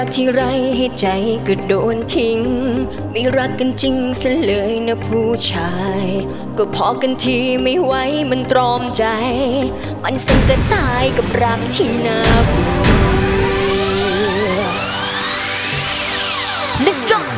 สิ่งที่ไม่ไหวมันตรอมใจมันสังเกิดตายกับรักที่นาภูมิ